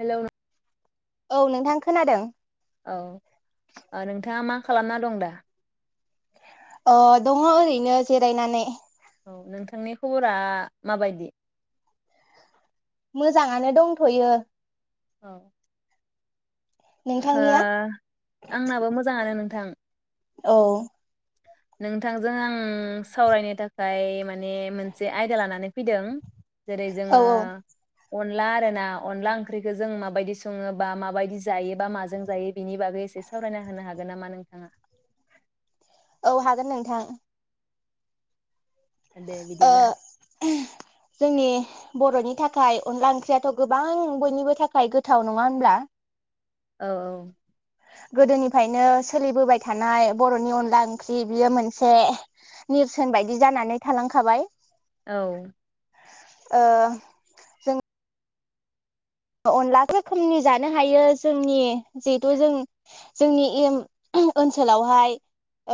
Hello नो औ नोंथां खोनादों। औ ओ नोंथाङा मा खालामना दं दा? अ दङ' ओरैनो जिरायनानै। औ नोंथांनि खबरा माबायदि मोजाङानो दंथयो औ हो नोंथांनिया आंनाबो मोजाङानो नोंथां औ नोंथांजों आं सावरायनो थाखाय माने मोनसे आयदा लानानै फैदों। जेरै औ जोंङो औ अनला आर ना अनला ओंख्रिखौ जों माबायदि संङोबा माबायदि जायोबा माजों जायो बिनि बागै एसे सावरायना होनो हागोन हागोन नामा नोंथांङा औ हागोन नोंथां दे ओ बिदिब्ला जोंनि बर'नि थाखाय अनला ओंख्रियाथ गोबां बयनिबो थाखाय गोथाव नङा होनब्ला औ - औ गोदोनिफ्रायनो सोलिबोबाय थानाय बर'नि अनला ओंख्रि बियो मोनसे नेरसोन बायदि जानानै थालांखाबाय। औ ओ जों अनला रोखोमनि जानो हायो जोंनि जिहेथु जों जोंनि ओनसोलावहाय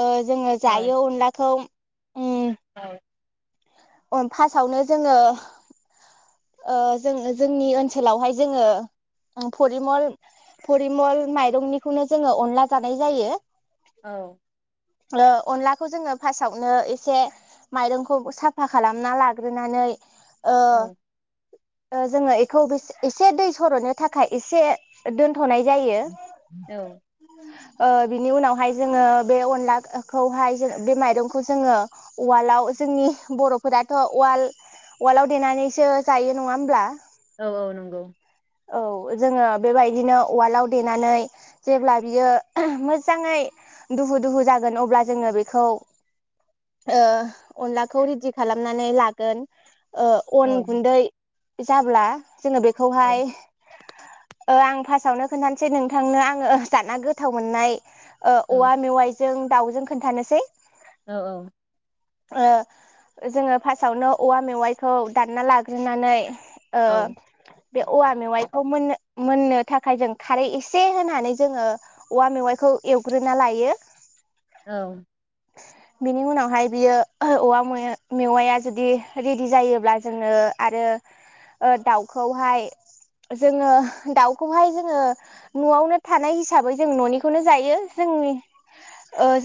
ओ जोङो औ जायो अनलाखौ उम औ फार्स्टआवनो जोङो ओ जों जोंनि ओनसोलावहाय जोङो फरिमल फरिमल माइरंनिखौनो जोङो अनला जानाय जायो। औ ओ अनलाखौ जोंङो फारस्त आवनो एसे माइरं खौ साफा खालामना लाग्रोनानै औ जोंङो बेखौ एसे दै सरदनो थाखाय एसे दोन थनाय जायो ओ बिनि उनावहाय जोंङो बे अनलाखौहाय बे माइरंखौहाय जोंङो उवालाव जोंनि बर'फोराथ उवाल वालआव देनानैसो जायो नङा होमब्ला औ -औ नंगौ औ जोङो बेबायदिनो उवालाव देनानै जेब्ला बियो मोजांङै दुहु दुहु जागोन अब्ला जोङो बेखौ ओ अनलाखौ रेडि खालामनानै लागोन औ अन गुन्दै जाब्ला जोंङो बेखौहाय ओ आं फार्स्टावनो खोनन्थानोसै नोंथांनो आंङो जाना गोथाव मोननाय औ औवा मेवाइ जों दाउजों खोन्थानोसै औ -औ ओ जोङो फार्स्टआवनो औवा मेवाइखौ दानना लाग्रोनानै ओ औ बे औवा मेवाइखौ मोननो मोननो थाखाय जों खारै एसे होनानै जोङो औवा मेवाइखौ एवग्रोना लायो औ बिनि उनावहाय बियो औवा मेवाया जुदि रेडि जायोब्ला जोङो आरो दाउखौहाय जोङो दाउखौहाय जोङो न'आवनो थानाय हिसाबै जों न'निखौनो जायो जोंनि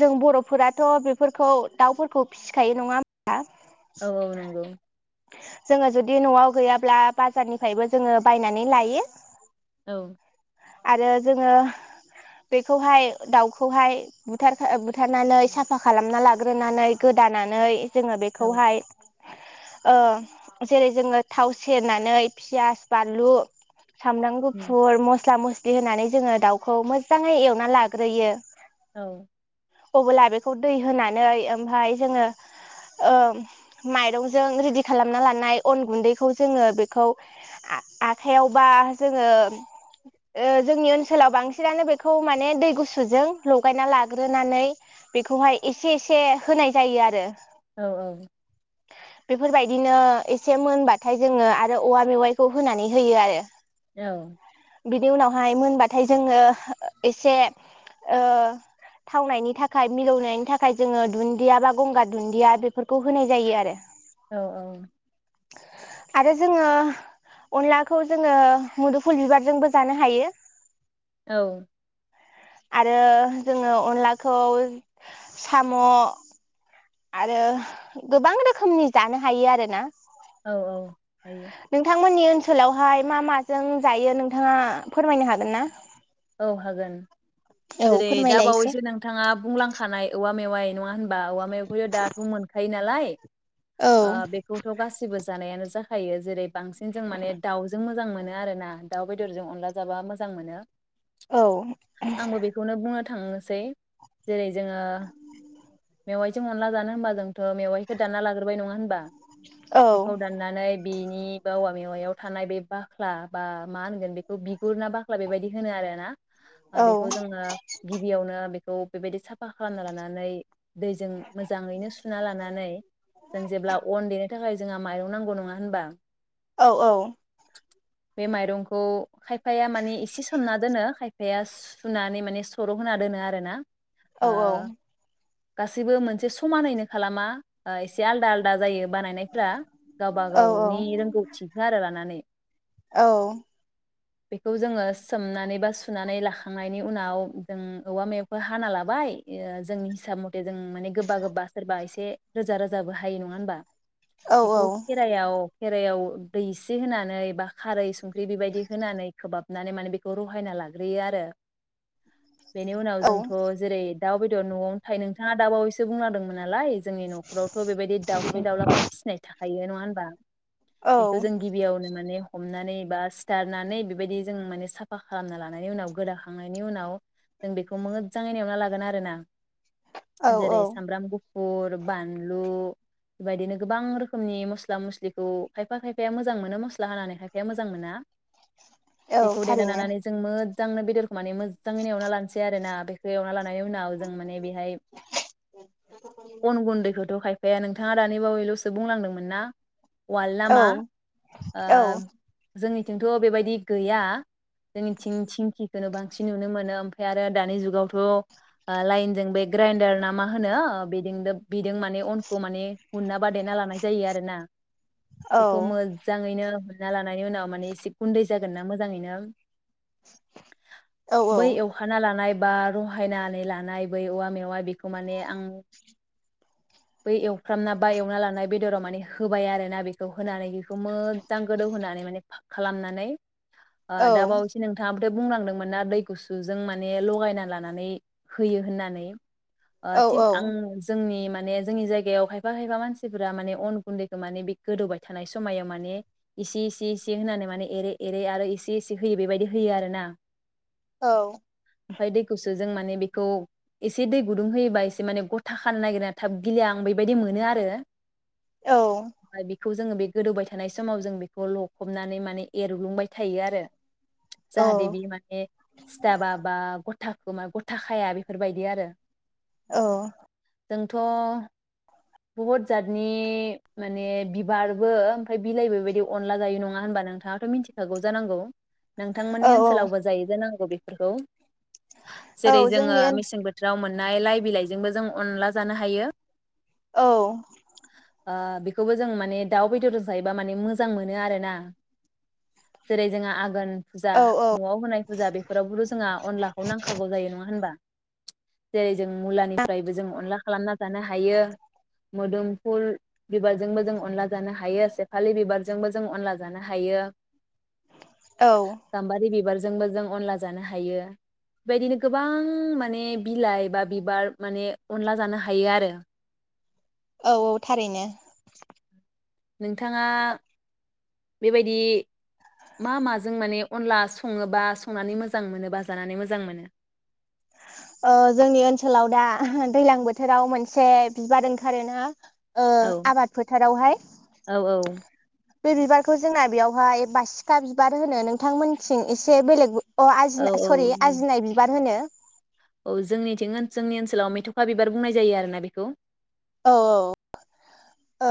जों बर'फोराथ' बेफोरखौ दाउफोरखौ फिसिखायो नङा होमबा। औ औ नंगौ। जोंओ जुदि न'आव गैयाब्ला बाजारनिफ्रायबो जोङो बायनानै लायो। औ। आरो जोंओ बेखौहाय दाउखौहाय बुथार बुथारनानै साफा खालामना लाग्रोनानै। गोदानानै। जोंओ औ बेखौहाय। जेरै जोङो थाव सेरनानै पियास बानलु। सामब्राम उम गुफुर मस्ला मसलि। बिदि होनानै जोङो दाउखौ मोजाङै एवना लाग्रोयो। औ। अब्ला बेखौ दै होनानै ओमफ्राय। माइरंजों लेडि खालामना लानाय अन गुन्दैखौ जोंओ बेखौ आखयावबा जोंओ जोंनि ओनसोलाव बांसिनानो बेखौ माने दै गुसुजों लगायना लाग्रोनानै बेखौहायाय एसे एसे हानाय। जायो आरो। औ औ। बेफोरबायदिनो एसे मोनबाथाय जोंओ आरो औवा मेवाइखौ होनानै होयो आरो। औ बिनि उनावहाय मोनबाथाय जोंओ एसे थावनायनि थाखाय मिलौनायनि थाखाय जोंओ दुन्दिया। दुन्दिया बा गंगार दुन्दिया बेफोरखौ होनाय जायो आरो। औ औ। आरो जोङो अनलाखौ जोङो मुदुफुल बिबारजोंबो जानो हायो। औ। आरो जोंओ अनलाखौ साम' आरो गोबां रोखोमनि जानो हायो आरोना। औ औ हायो। नोंथांमोननि ओनसोलावहाय मा माजों जायो नोंथाङा फोरमायनो हागोन ना। औ हागोन। औ जेरै दा फोरमायलाय एसे बावैसो नोंथाङा बुंलांखानाय औवा। मेवाइ नंआ। होमबा औवा मेवाइखौ दाथ' मोनखायो नालाय। औ ओ बेखौथ' गासिबो। जानायानो जाखायो जेरै। बांसिन जों माने दाउजों मोजां मोनो। आरोना दाउ बेदरजों अनला जाबा मोजां मोनो। औ आंबो बेखौनो बुंनो। थांनोसै जेरै जोंओ मेवाइजों अनला जानो होमबा जोंथ' मेवाइखौ दानना लाग्रोबाय नङा होमबा। औ बेखौ दाननानै। बेनि बा औवा मेवाइयाव थानाय बे बाख्ला बा मा होनगोन बेखौ बिगुर ना बाख्ला बेबायदि होनो आरोना ओ बेखौ जोङो गिबियावनो बेख थ' बेबायदि साफा खालामना लानानै दैजों मोजाङैनो सुना लानानै जों जेब्ला अन देनो थाखाय जोंहा माइरं नांगौ नङा होनबा? औ औ बे माइरंखौ खायफाया माने एसेस सोमना दोनो खायफाया सुनानै माने सर' होना दोनो आरोना औ ओ गासैबो मोनसे समानैनो खालामा ओ एसे आलदा आलदा जायो। बानायनायफ्रा गावबा गावनि रोंगौथिखो आरो लानानै। औ बेखौ जोङो स सोमनानै बा सुनानै लाखांनायनि उनाव जों औवा मेवाइखौ हाना लाबाय ओ जोंनि हिसाब मथे जों माने गोबा गोबा सोरबा एसे रोजा रोजाबो हायो नङा होनबा? बेखौ खेरायाव खेरायाव दैसे होनानै बा खारै सं ख्रि बेबायदि होनानै खोबाब नानै मानि बे [unintelligible] खौ रहायना लाग्रोयो आरो बेनि उनाव जोंथ' जेरै दाउ बेदर न'आवनो थायो नोंथाङा दाबावैसो बुंलांदोंमोन नालाय जोंनि न'खरावथ' बेबायदि दाउसिन -दाउला माने फिसिनाय था थायो नङा होनबा बेखो जों गिबियावनो माने हमनानै बा सिथारनानै बेबायदि जों माने साब फा खालामना लानायनि उनाव गोदाखांनायनि उनाव जों बेखौ मोदजाङै एवना लागोन आरो ना औ औ जेरै सामब्राम गुफ फुर बानलु बेबायदिनो गोबां रोखोमनि मस्ला मस्लिखौ खायफा खायफाया मोजां मोनो मस्ला हानानै खायफाया मोजां मोना औ बेखौ था देना लानानै जों मोद मोजांनो बेदरखौ माने मोदजाङैनो एवना लानिसै आरो ना बेखौ एवना लान नायनि उनाव जों माने बेहाय अन गुन्दैखौथ' खायफाया नोंथ थाङा दानि बावैल'सो बुंलांदोंमोन ना? उवाल्ड औ नामा ओ औ जोंनि जंथ' बेबायदि गैया। जोंनिथिं थिंखिखौनो बांसिन नुनो मोनो ओमफ्राय आरो दानि जुगावथ' लाइनजों बे ग्राइडार ना मा होनो बे बेदों माने अनखौ माने हना। बादायना लानाय जायो आरोना औ बेखौ मोजांङैनो। ना लानायनि उनाव माने एसे गुन्दै जागोन ना मोजांङैनो। औ बै एवहाना लानाय बा रहायनानै लानाय बै औवा मेवा बेखौ माने आं बै एवफ्रामना बा एवना लानाय बेदराव माने होबाय आरो ना बेखौ होनानै बेखौ मोजां गोदौ होनोनानै बेखौ माने फाख खालामनानै आरो दाबावैसो नोंथाङा बुंलांदोंमोनना दै गुसुजों माने लगायना लानानै होयो होननानै ओ थिग आं जोंनि मा माने जोंनि जायगायाव खायफा खायफा मानसिफोरा माने अन गुन्दैखौ माने बे गोदौबाय थानाय समायाव माने इसे इसे इसे होनानै माने एरै एरै आरो इसे इसे होयो बेबायदि होयो आरोना औ ओमफाय दैखौसो जों माने बेखौ एसे दै गुदुं होयोबा एसे माने गथा खानो नागिरो थाब गिलिया आं बेबायदि मोनो आरो औ ओमफ्राय बेखौ जोङो बे गोदौबाय थानाय समाव जों बेखौ लखबनानै माने एरग्लुंबाय थायो आरो जाहाथे बि माने सिथाबा बा ग गथाखौ मा गथा खाया बेफोरबायदि आरो औ जोंथ' बहुत जातनि माने बिबारबो ओमफ्राय बिलाइबो बेबायदि अनला जायो नंङा होनबा नोंथाङाथ' मिथिखागौ जानांगौ नोंथांमोननि औ ओनसोलावबो जायो जानां गौ बेफोरखौ औ जेरै जोंङो जोंनि ओन मेसें बोथोराव मोन नाय लाइ बिलाइजोंबो जों अनला जानो हायो औ ओ बेखौबो जों माने दाउ बेदरजों जायोबा माने मोजां मोनो आरो ना जेरै जोंहा [unintelligible] फुजा औ न'वाव होनाय फुजा बेफोरावबोथ' जोंहा अनलाखौ नांखागौ जायो नंङा होनबा जेरै जों मुलानिफ्रायबो जों अनला खालामना जानो हायो मोदोमफुल बिबारजोंबो जों अनला जानो हायो सेफालि बिबारजोंबो जों अनला जानो हायो औ गामबारि बिबार जोंबो जों अनला जानो हायो बेबायदिनो गोबां माने बिलाइ बा बिबार माने अनला जानो हायो आरो औ औ थारैनो नोंथाङा बेबायदि मा माजों माने अनला सङोबा संनानै मोजां मोनोबा जानानै मोजां मोनो ओ जोंनि ओनसोलाव दा दैलां बोथोराव मोनसे बिबार ओंखारोना ओ औ आबाद फोथारावहाय औ बे बिबारखौ जोंना बेयावहाय बासिखा बिबार होनो नोंथांमोनथिं एसे बेलेग अ औ आजिना सररि आजिनाय बिबार होनो। औ जोंनिथिं जोंनि ओनसोलाव मेथ'खा बिबार बुंनाय जायो आरो ना बेखौ। औ औ। ओ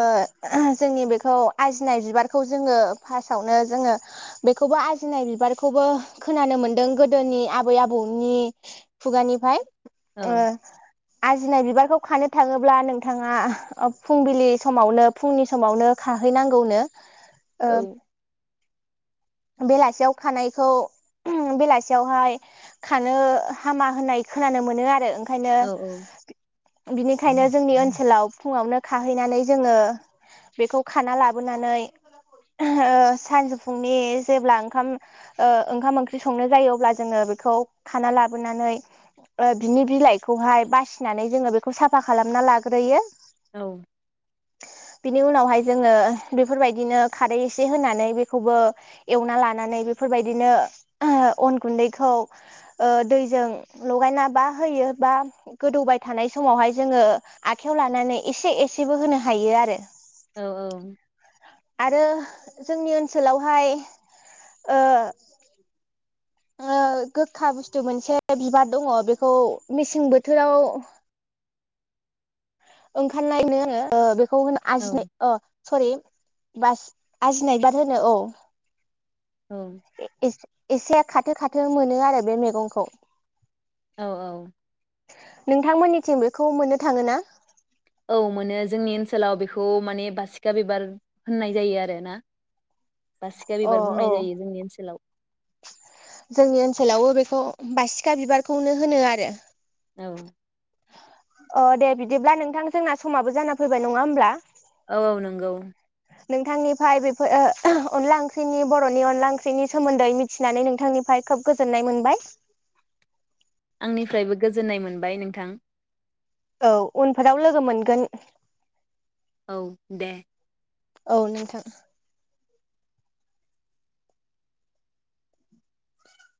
जोंनि बेखौ आजिनाय बिबारखौ जोङो फासआवनो जोङो बेखौबो आजिनाय बिबारखौबो खोनानो मोनदों गोदोनि आबै आबौनि खुगानिफाय औ ओ आजिनाय बिबारखौ खानो थाङोब्ला नोंथाङा ओ फुंबिलि समावनो फुंनि समावनो खाहैनांगौनो ओ औ बेलासियाव खानायखौ बेलासियावहाय खानो हामा होननाय खोनानो मोनो आरो ओं खायनो औ बिनिखायनो जोंनि औ ओनसोलाव फुङावनो खाहैनानै जोङो बेखौ खाना लाबोनानै ओ सानजौफुंनि जेब्ला ओंखाम ओ ओंखाम ओंख्रि संनाय जायो अब्ला जोङो बेखौ खाना लाबोनानै ओ बिनि बिलाइखौहाय बासिनानै जोङो बेखौ साफा खालामना लाग्रोयो औ। बिनि उनावहाय जोङो बेफोरबायदिनो खारै एसे होनानै बेखौबो एवना लानानै बेफोरबायदिनो अन गुन्दैखौ ओ दैजों लगायना बा होयो बा गोदौबाय थानाय समावहाय जोङो आखाइायाव लानानै एसे एसेबो होनो हायो आरो। औ औ। आरो जोंनि ओनसोलावहाय ओ ओ गोखा बुस्थु मोनसे बिबार दङ बेखौ मेसें बोथोराव ओंखारनाय [unintelligible] ओ बे खौ होनो औ आजिनाय अ सरि बास आजिनाय बार होनो औ। औ इस इसे खाथो खाथो मोनो आरो बे मेगंखौ। औ औ। नोंथांमोननिथिं बेखौ मोननो थाङो ना? औ मोनो जोंनि ओनसोलाव बेखौ माने बासिखा बिबार होननाय जायो आरोना। बासिखा अ बिबार औ बुंनाय जायो जोंनि ओनसोलाव। जोंनि ओनसोलावबो बेखौ बासिखा बिबारखौनो होनो आरो। औ। अ दे बिदिब्ला नोंथां जोंना समाबो जाना फैबाय नङा होमब्ला? औ औ नंगौ। नोंथांनिफाय बेफोर ओ अनला ओंख्रिनि बर'नि अनला ओंख्रिनि सोमोन्दै मिथिनानै नोंथांनिफाय खोब गोजोननाय मोनबाय। आंनिफ्रायबो गोजोननाय मोनबाय नोंथां। औ उनफोराव लोगो मोनगोन। औ दे। औ नोंथां।